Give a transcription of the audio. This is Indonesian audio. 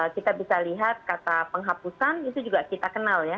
kita bisa lihat kata penghapusan itu juga kita kenal ya